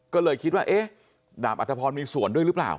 ก็เลยคิดว่าเอ๊ะดาบอัธพรมีส่วนด้วยหรือเปล่า